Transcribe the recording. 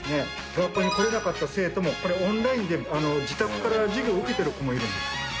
学校に来れなかった生徒もこれオンラインで自宅から授業を受けてる子もいるんです。